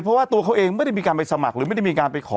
เพราะว่าตัวเขาเองไม่ได้มีการไปสมัครหรือไม่ได้มีการไปขอ